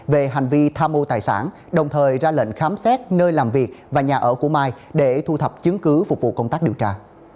về hành vi tham ô tài sản đồng thời ra lệnh khám xét nơi làm việc và nhà ở của mai để thu thập chứng cứ phục vụ công tác điều tra